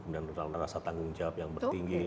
dan rasa tanggung jawab yang bertinggi